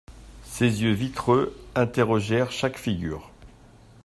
Ses yeux vitreux interrogèrent chaque figure.